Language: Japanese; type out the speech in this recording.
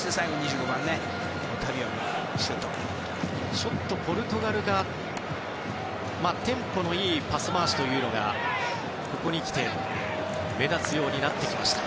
ちょっとポルトガルのテンポのいいパス回しというのがここに来て目立つようになってきました。